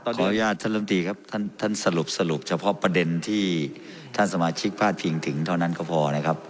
ขออนุญาตท่านลำตีครับท่านสรุปเฉพาะประเด็นที่ท่านสมาชิกพาดพิงถึงเท่านั้นก็พอนะครับ